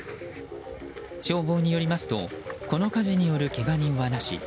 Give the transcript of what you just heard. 消防によりますとこの火事によるけが人はなし。